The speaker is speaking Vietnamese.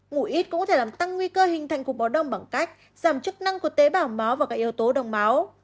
ngủ ít cũng có thể làm tăng nguy cơ hình thành cục bỏ đông bằng cách giảm chức năng của tế bảo máu và các yếu tố đông máu